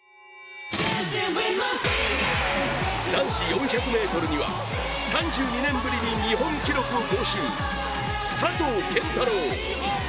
男子４００ｍには３２年ぶりに日本記録更新、佐藤拳太郎。